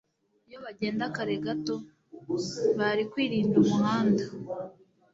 iyo bagenda kare gato, bari kwirinda umuhanda